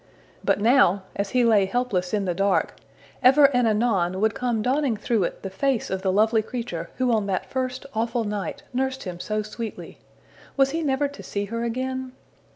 But now, as he lay helpless in the dark, ever and anon would come dawning through it the face of the lovely creature who on that first awful night nursed him so sweetly: was he never to see her again?